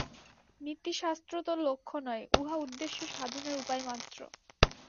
নীতিশাস্ত্র তো লক্ষ্য নয়, উহা উদ্দেশ্য-সাধনের উপায় মাত্র।